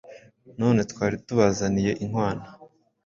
none twari tubazaniye inkwano.